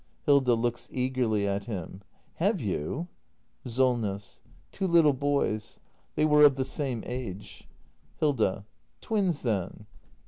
Hilda. [Looks eagerly at him.] Have you ? Solness. Two little boys. They were of the same age. Hilda. Twins, then.